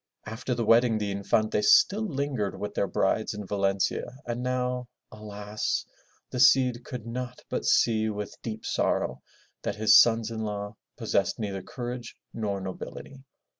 After the wedding the Infantes still lingered with their brides in Valencia, and now, alas! the Cid could not but see with deep sorrow that his sons in law possessed neither courage nor nobility.